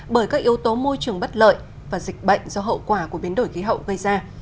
bởi các yếu tố môi trường bất lợi và dịch bệnh do hậu quả của biến đổi khí hậu gây ra